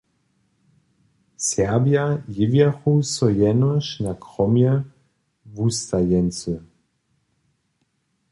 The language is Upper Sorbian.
Serbja jewjachu so jenož na kromje wustajeńcy.